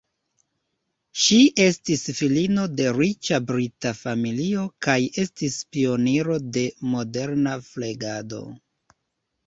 Ŝi estis filino de riĉa brita familio kaj estis pioniro de moderna flegado.